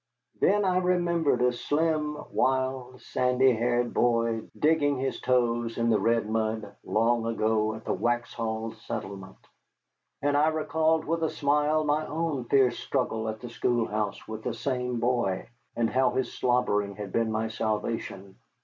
Then I remembered a slim, wild, sandy haired boy digging his toes in the red mud long ago at the Waxhaws Settlement. And I recalled with a smile my own fierce struggle at the schoolhouse with the same boy, and how his slobbering had been my salvation.